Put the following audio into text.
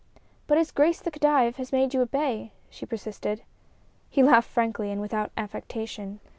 "But His Grace the Khedive has made you a Bey," she persisted. He laughed frankly and without affectation.